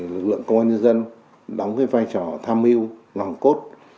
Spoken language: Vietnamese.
lực lượng công an nhân dân đóng vai trò tham mưu lòng cốt